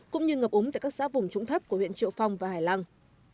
cũng như ngập úng tại các xã vùng trũng thấp của huyện triệu phong và hải lăng